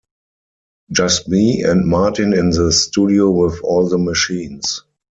Just me and Martin in the studio with all the machines.